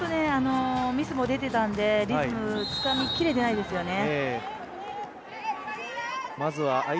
ミスも出てたんでリズムつかみ切れてないですよね。